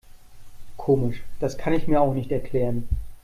Komisch, das kann ich mir auch nicht erklären.